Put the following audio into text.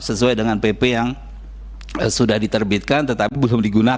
sesuai dengan pp yang sudah diterbitkan tetapi belum digunakan